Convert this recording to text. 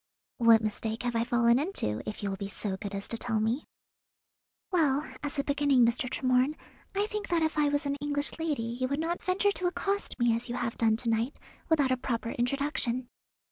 "What mistake have I fallen into, if you will be so good as to tell me?" "Well, as a beginning, Mr. Tremorne, I think that if I was an English lady you would not venture to accost me as you have done to night, without a proper introduction."